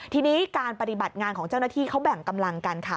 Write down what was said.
ทีนี้การปฏิบัติงานของเจ้าหน้าที่เขาแบ่งกำลังกันค่ะ